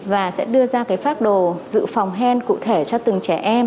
và sẽ đưa ra phát đồ giữ phòng hen cụ thể cho từng trẻ em